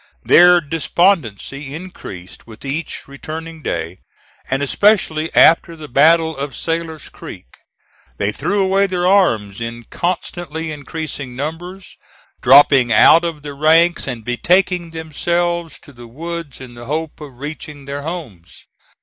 Their despondency increased with each returning day, and especially after the battle of Sailor's Creek. They threw away their arms in constantly increasing numbers, dropping out of the ranks and betaking themselves to the woods in the hope of reaching their homes.